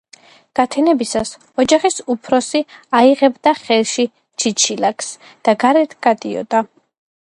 გათენებისას ოჯახის უფროსი აიღებდა ხელში ჩიჩილაკს და გარეთ გავიდოდა